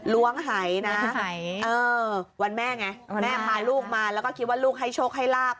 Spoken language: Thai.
ล้วงหายนะวันแม่ไงแม่พาลูกมาแล้วก็คิดว่าลูกให้โชคให้ลาบ